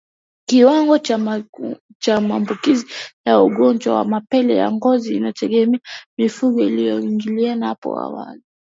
Kiwango cha maambukizi ya ugonjwa wa mapele ya ngozi inategemea mifugo ilivyoingiliana hapo awali